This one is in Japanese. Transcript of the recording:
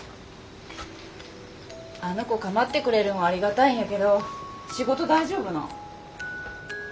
あの子構ってくれるんはありがたいんやけど仕事大丈夫なん？